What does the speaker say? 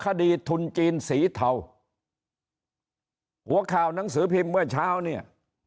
คดีทุนจีนสีเทาหัวข่าวหนังสือพิมพ์เมื่อเช้าเนี่ย